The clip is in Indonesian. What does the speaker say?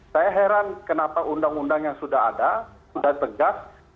saya heran kenapa undang undang yang sudah ada sudah tegas